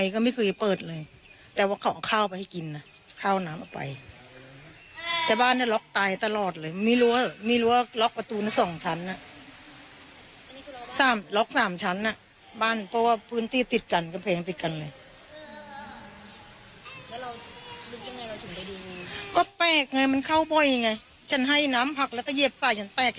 ก็แปลกไงมันเข้าไปไงฉันให้น้ำผักแล้วก็เย็บสายฉันแปลก